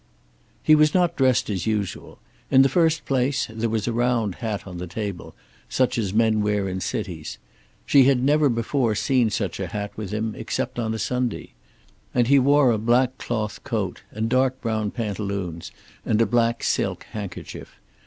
He was not dressed as usual. In the first place, there was a round hat on the table, such as men wear in cities. She had never before seen such a hat with him except on a Sunday. And he wore a black cloth coat, and dark brown pantaloons, and a black silk handkerchief.